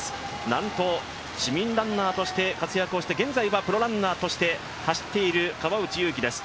なんと市民ランナーとして活躍をして現在はプロランナーとして走っている川内優輝です。